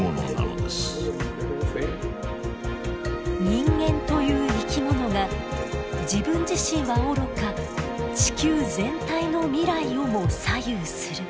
人間という生き物が自分自身はおろか地球全体の未来をも左右する。